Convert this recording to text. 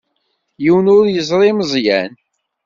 Yiwen ur yeẓri Meẓyan.